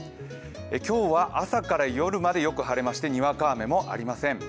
今日は朝から夜までよく晴れまして、にわか雨もありません。